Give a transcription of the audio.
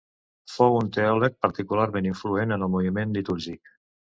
Fou un teòleg particularment influent en el moviment litúrgic.